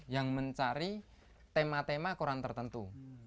yang mencari tema tema koran tertentu